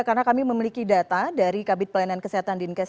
karena kami memiliki data dari kabit pelayanan kesehatan di dki jakarta